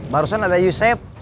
barusan ada yusef